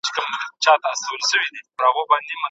تاسي باید خپلې ټولي مننې د شریعت په رڼا کي ادا کړئ.